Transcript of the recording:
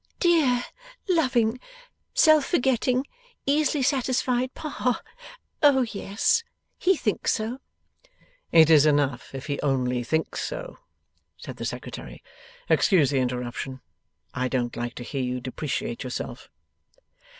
'Dear, loving, self forgetting, easily satisfied Pa! Oh, yes! He thinks so.' 'It is enough if he only thinks so,' said the Secretary. 'Excuse the interruption: I don't like to hear you depreciate yourself.